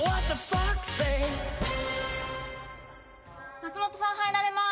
松本さん入られます。